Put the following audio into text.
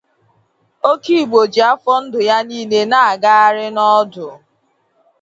Okigbo ji afọ ndụ ya niile na-agagharị na ọdụ.